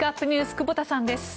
久保田さんです。